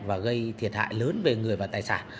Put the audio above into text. và gây thiệt hại lớn về người và tài sản